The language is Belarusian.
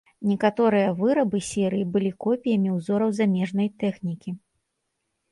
Некаторыя вырабы серыі былі копіямі ўзораў замежнай тэхнікі.